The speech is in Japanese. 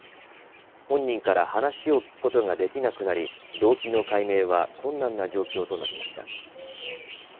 本人から話を聞くことができなくなり動機の解明は困難な状況となりました。